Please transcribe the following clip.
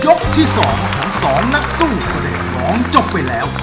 ยกที่สองของสองนักสู้ก็เดี๋ยวร้องจบไปแล้ว